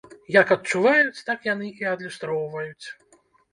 Як адчуваюць, так яны і адлюстроўваюць.